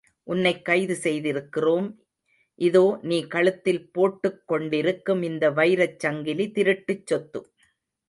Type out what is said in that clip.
உன்னைக் கைது செய்திருக்கிறோம், இதோ நீ கழுத்தில் போட்டுக் கொண்டிருக்கும் இந்த வைரச் சங்கிலி திருட்டுச் சொத்து.